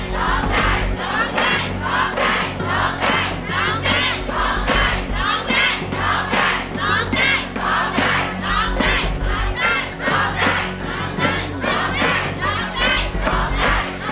น้องใจน้องใจน้องใจน้องใจ